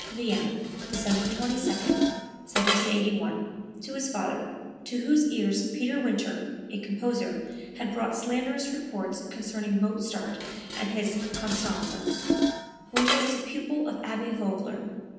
(Vienna, December 22, 1781, to his father, to whose ears Peter Winter, a composer, had brought slanderous reports concerning Mozart and his Constanze. Winter was a pupil of Abbe Vogler.